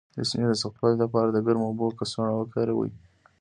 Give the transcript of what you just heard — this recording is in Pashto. د سینې د سختوالي لپاره د ګرمو اوبو کڅوړه وکاروئ